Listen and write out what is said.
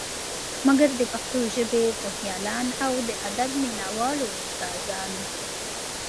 مګر د پښتو ژبې پوهیالان او د ادب مینه والو استا دانو